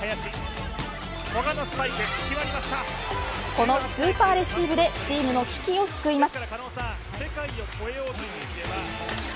このスーパーレシーブでチームの危機を救います。